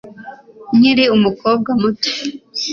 nkiri umukobwa muto